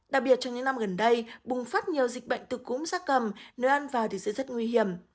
đặc biệt trong những năm gần đây bùng phát nhiều dịch bệnh từ cúm gia cầm nơi ăn vào thì sẽ rất nguy hiểm